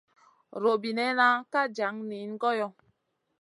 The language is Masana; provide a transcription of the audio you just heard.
Robinena ka jan niyna goyo.